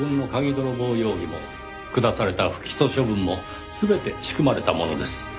泥棒容疑も下された不起訴処分も全て仕組まれたものです。